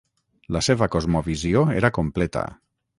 La seva cosmovisió era completa